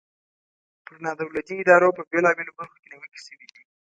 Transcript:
پر نا دولتي ادارو په بیلابیلو برخو کې نیوکې شوي دي.